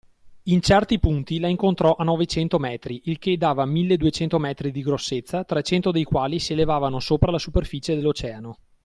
In certi punti la incontrò a novecento metri, il che dava milleduecento metri di grossezza, trecento dei quali si elevavano sopra la superficie dell’Oceano.